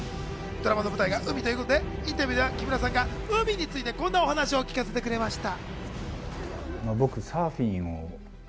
ドラマの舞台が海ということで、インタビューでは木村さんが海について、こんなお話を聞かせてくれました。